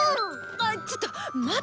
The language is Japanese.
あちょっと待て！